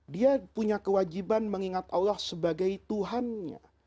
dia punya kewajiban mengingat allah sebagai tuhannya